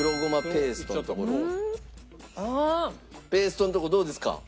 ペーストのとこどうですか？